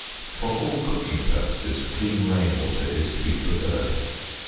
For all cooking purposes clean rain water is to be preferred.